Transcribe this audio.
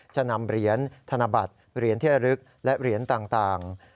จะนำเหรียญธนบัตรเหรียญเที่ยวลึกและเหรียญต่าง